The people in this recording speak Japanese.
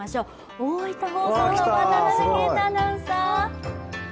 大分放送の渡辺敬大アナウンサー。